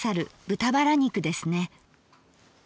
豚バラ肉ですね。